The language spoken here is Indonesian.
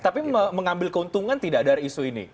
tapi mengambil keuntungan tidak dari isu ini